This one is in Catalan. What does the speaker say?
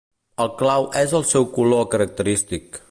El clau és el seu color característic.